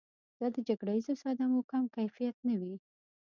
دا د جګړیزو صدمو کم کیفیت نه وي.